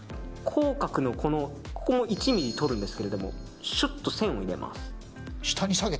口角のここ１ｍｍとるんですけどしゅっと線を入れます。